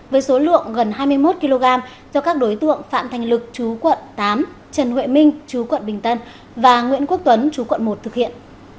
với số lượng gần hai mươi một kg do các đối tượng phạm thành lực chú quận tám trần huệ minh chú quận bình tân và nguyễn quốc tuấn chú quận một thực hiện